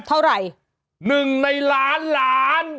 เท่าไหร่๑ในล้านล้าน